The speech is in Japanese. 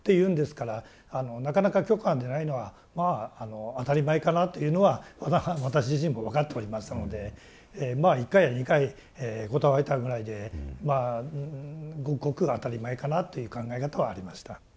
なかなか許可が出ないのはまあ当たり前かなというのは私自身も分かっておりましたので１回や２回断られたぐらいでまあごくごく当たり前かなという考え方はありました。